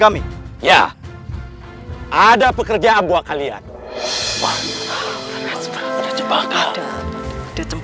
kamu tidak bisa lepas lagi sekarangtra enam itu mungkinkah itu